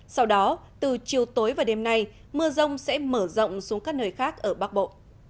sau đó từ chiều tối và đêm nay mưa rông sẽ mở rộng xuống các nơi khác ở bắc bộ